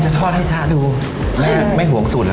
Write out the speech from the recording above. จำไม่ได้หรอ